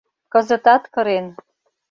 Кызытат кырен.